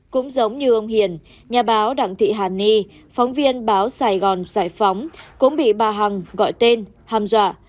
cũng giống như ông hiền nhà báo đặng thị hàn ni phóng viên báo sài gòn giải phóng cũng bị bà hằng gọi tên ham dọa